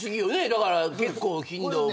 だから結構頻度も。